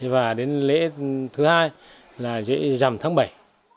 và đến lễ thứ hai là lễ rằm tháng bảy